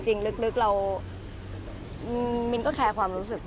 จริงลึกมินก็แคร์ความรู้สึกปุ๊ก